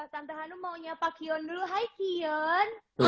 tante hanum mau nyapa kion dulu hai